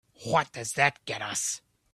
What does that get us?